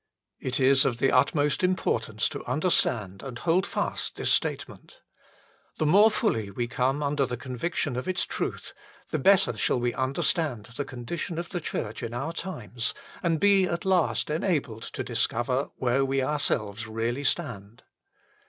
It is of the utmost importance to understand and hold fast this statement. The more fully we come under the conviction of its truth, the better shall we understand the condition of the Church in our times and be at last enabled to discover where we ourselves really stand.